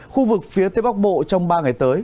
khu vực phía tây bắc bộ trong ba ngày tới